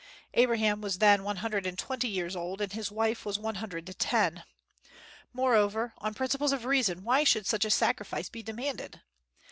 Abraham was then one hundred and twenty years old, and his wife was one hundred and ten. Moreover, on principles of reason why should such a sacrifice be demanded?